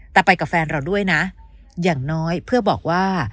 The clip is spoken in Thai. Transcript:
แต่ไปกับแฟนเราด้วยนะอย่างน้อยเพื่อบอกว่า